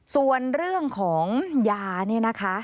ส่วนเรื่องของยาเนี่ยนะคะ